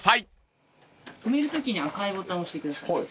止めるときに赤いボタン押してください。